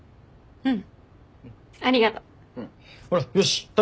うん。